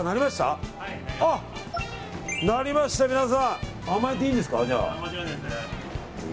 なりました、皆さん。甘えていいんですか。